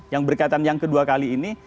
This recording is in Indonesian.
yang berkaitan yang kedua kali ini